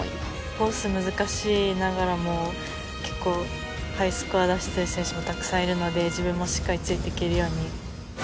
コースが難しいながらも結構、ハイスコアを出してる選手もたくさんいるので自分もしっかりついていけるように。